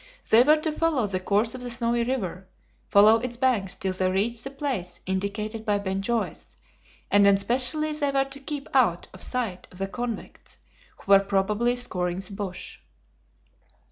They were to follow the course of the Snowy River, follow its banks till they reached the place indicated by Ben Joyce, and especially they were to keep out of sight of the convicts, who were probably scouring the bush.